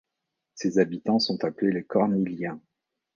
Ses habitants sont appelés les Corniliens.